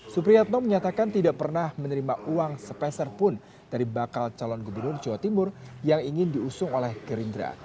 supriyatno menyatakan tidak pernah menerima uang sepeserpun dari bakal calon gubernur jawa timur yang ingin diusung oleh gerindra